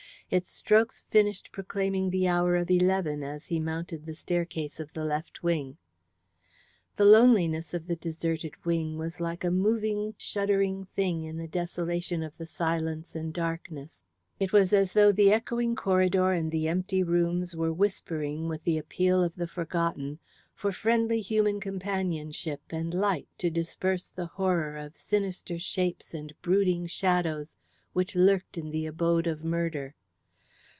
Its strokes finished proclaiming the hour of eleven as he mounted the staircase of the left wing. The loneliness of the deserted wing was like a moving shuddering thing in the desolation of the silence and the darkness. It was as though the echoing corridor and the empty rooms were whispering, with the appeal of the forgotten, for friendly human companionship and light to disperse the horror of sinister shapes and brooding shadows which lurked in the abode of murder.